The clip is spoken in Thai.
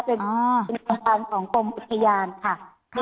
เป็นโครงการที่เขาขอพบประมาณผ่านมาเป็นโครงการของกรมอุทยานค่ะ